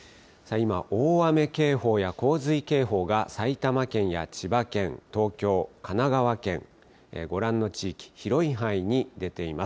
今、大雨警報や洪水警報が埼玉県や千葉県、東京、神奈川県、ご覧の地域、広い範囲に出ています。